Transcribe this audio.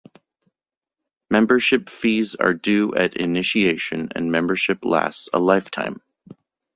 Membership fees are due at initiation and membership lasts a lifetime.